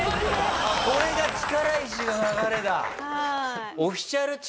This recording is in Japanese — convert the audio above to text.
これが力石の流れだ。